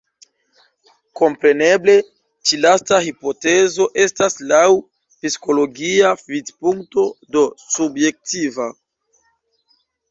Kompreneble ĉi lasta hipotezo estas laŭ psikologia vidpunkto, do subjektiva.